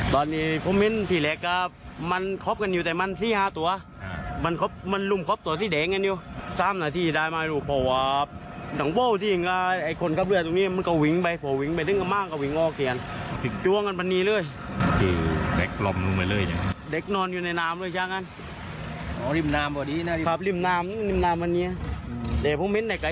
เด็กพวกมิ้นในใกล้เลือดดีต้นข้อกันเหมือนนอนเลยแหละวะ